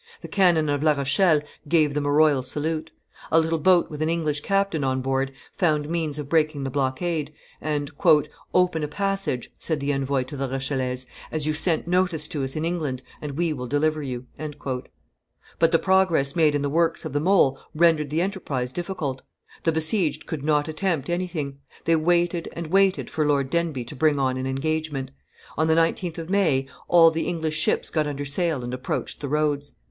The cannon of La Rochelle gave them a royal salute. A little boat with an English captain on board found means of breaking the blockade; and "Open a passage," said the envoy to the Rochellese, "as you sent notice to us in England, and we will deliver you." But the progress made in the works of the mole rendered the enterprise difficult; the besieged could not attempt anything; they waited and waited for Lord Denbigh to bring on an engagement; on the 19th of May, all the English ships got under sail and approached the roads.